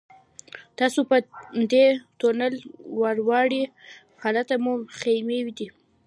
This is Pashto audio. تاسو په دې تونل ورواوړئ هلته مو خیمې دي.